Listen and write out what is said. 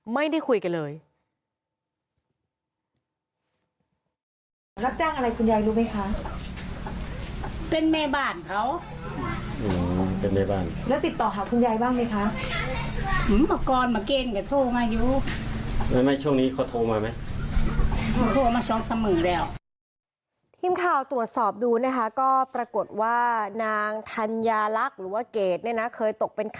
ไม่ได้คุยกันเลย